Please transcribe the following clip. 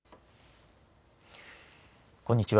こんにちは。